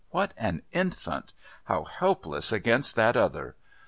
What an infant! How helpless against that other!